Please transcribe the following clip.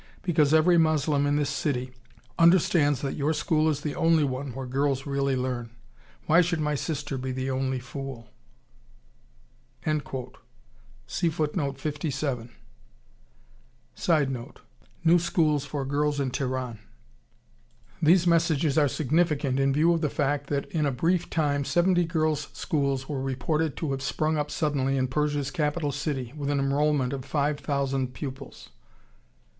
'Because every Moslem in this city understands that your school is the only one where girls really learn. Why should my sister be the only fool?'" [Sidenote: New schools for girls in Teheran.] These messages are significant in view of the fact that in a brief time seventy girls' schools were reported to have sprung up suddenly in Persia's capital city, with an enrolment of five thousand pupils.